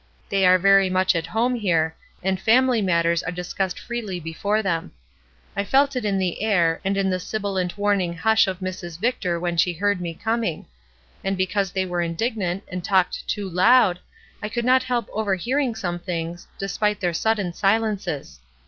They are very much at home here, and family matters are discussed freely before them. I felt it in the air, THE VICTORS 81 and in the sibilant warning hush of Mrs. Victor when she heard me coming; and because they were indignant and talked too loud, I could not help overhearing some things, despite their sudden silences.